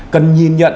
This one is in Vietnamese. cần nhìn nhận